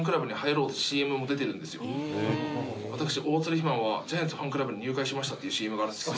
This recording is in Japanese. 私大鶴肥満はジャイアンツファンクラブに入会しましたっていうＣＭがあるんですけど。